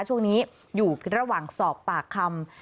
ช่วงนี้อยู่ระหว่างสอบปากคำ